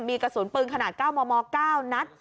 มีกระสุนปืนขนาด๙มม๙นัด